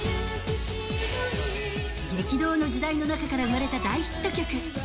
激動の時代の中から生まれた大ヒット曲。